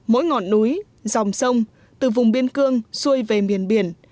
mỗi ngọn núi dòng sông từ vùng biên cương xuôi về miền biển